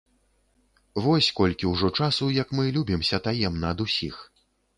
Вось колькі ўжо часу, як мы любімся таемна ад усіх.